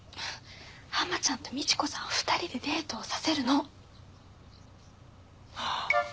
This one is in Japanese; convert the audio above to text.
ハマちゃんとみち子さんを２人でデートをさせるの。